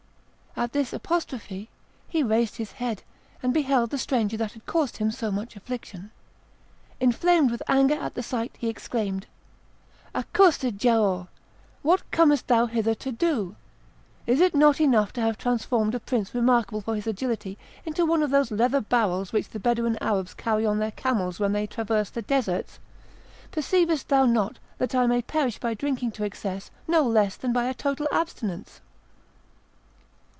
At this apostrophe he raised his head, and beheld the stranger that had caused him so much affliction. Inflamed with anger at the sight, he exclaimed— "Accursed Giaour! what comest thou hither to do? Is it not enough to have transformed a prince remarkable for his agility into one of those leather barrels which the Bedouin Arabs carry on their camels when they traverse the deserts? Perceivest thou not that I may perish by drinking to excess no less than by a total abstinence?"